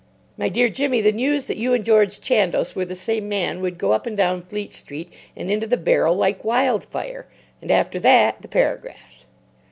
My dear Jimmy, the news that you and George Chandos were the same man would go up and down Fleet Street and into the Barrel like wildfire. And after that the paragraphs."